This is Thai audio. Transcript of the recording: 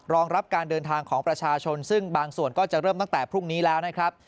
รองรับการเดินทางของประชาชนซึ่งบางส่วนก็จะเริ่มตั้งแต่พรุ่งนี้แล้วนะครับ